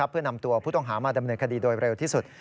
เพื่อนำตัวผู้ต้องหามาดำเนินคดีโดยเร็วที่สุด